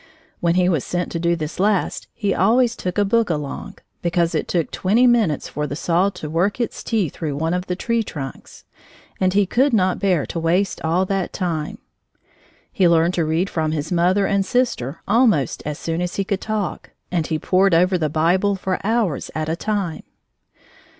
When he was sent to do this last, he always took a book along, because it took twenty minutes for the saw to work its teeth through one of the tree trunks, and he could not bear to waste all that time. He learned to read from his mother and sister almost as soon as he could talk, and he pored over the Bible for hours at a time.